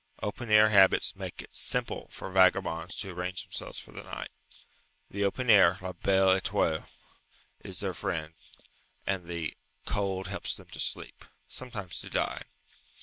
Open air habits make it simple for vagabonds to arrange themselves for the night. The open air (la belle étoile) is their friend, and the cold helps them to sleep sometimes to die.